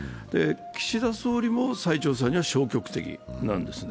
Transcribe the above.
岸田総理も再調査には消極的なんですね。